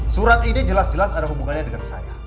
surat ini jelas jelas ada hubungannya dengan saya